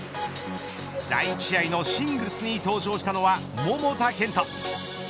第１試合のシングルスに登場したのは桃田賢斗。